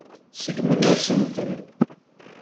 Seggmen-asent-ten.